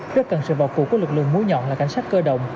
rất cần sự bảo cụ của lực lượng múa nhọn là cảnh sát cơ động